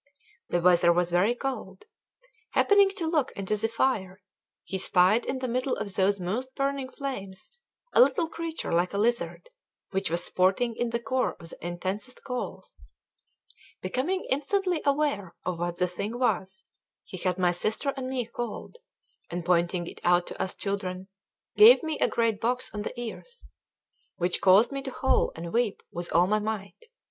The weather was very cold. Happening to look into the fire, he spied in the middle of those most burning flames a little creature like a lizard, which was sporting in the core of the intensest coals. Becoming instantly aware of what the thing was, he had my sister and me called, and pointing it out to us children, gave me a great box on the ears, which caused me to howl and weep with all my might.